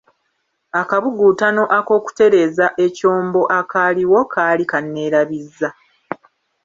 Akabuguutano ak'okutereeza ekyombo akaaliwo kaali kanneerabizza.